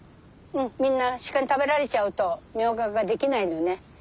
みんな鹿に食べられちゃうとミョウガが出来ないのね。